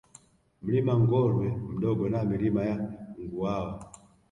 Mlima Ngolwe Mdogo na Milima ya Nguawa